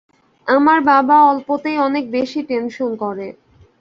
আমার বাবা অল্পতেই অনেক বেশি টেনশন করে।